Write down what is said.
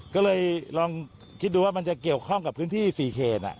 ก็เลยลองคิดดูว่ามันจะเกี่ยวข้องกับพื้นที่๔เขต